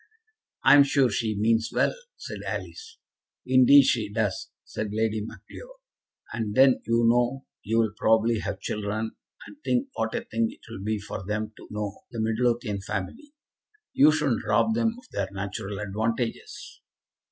"I'm sure she means well," said Alice. "Indeed she does," said Lady Macleod, "and then you know you'll probably have children; and think what a thing it will be for them to know the Midlothian family. You shouldn't rob them of their natural advantages."